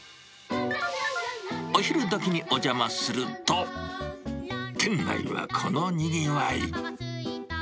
お昼どきにお邪魔すると、店内はこのにぎわい。